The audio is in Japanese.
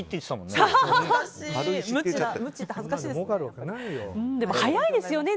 無知って恥ずかしいですね。